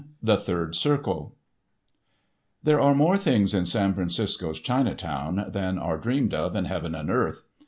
*The Third Circle* There are more things in San Francisco's Chinatown than are dreamed of in Heaven and earth.